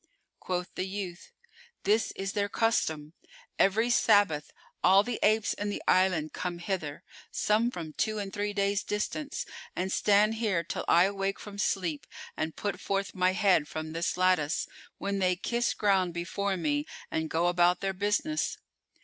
Quoth the youth, "This is their custom. Every Sabbath,[FN#413] all the apes in the island come hither, some from two and three days' distance, and stand here till I awake from sleep and put forth my head from this lattice, when they kiss ground before me and go about their business."